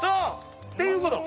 ていうこと。